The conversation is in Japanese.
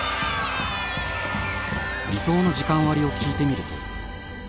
理想の時間割を聞いてみると。